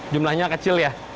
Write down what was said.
jumlahnya kecil ya